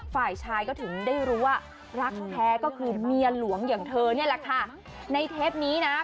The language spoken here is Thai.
ฝ่ายชายก็ถึงได้รู้ว่ารักแท้ก็คือเมียหลวงอย่างเธอนี่แหละค่ะในเทปนี้นะ